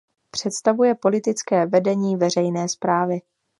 Představuje politické vedení veřejné správy.